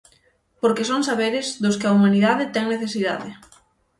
Porque son saberes dos que a humanidade ten necesidade.